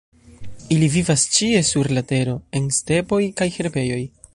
Ili vivas ĉie sur la Tero, en stepoj kaj herbejoj.